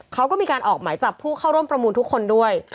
เขาก็มีการออกหมายจับผู้เข้าร่วมประมูลทุกคนด้วย